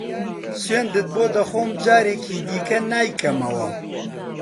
سوێندت بۆ دەخۆم جارێکی دیکە نایکەمەوە.